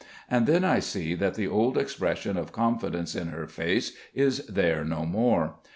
And then I see that the old expression of confidence in her face is there no more.